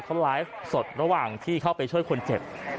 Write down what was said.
เขาไลฟ์สดระหว่างที่เข้าไปช่วยคนเจ็บ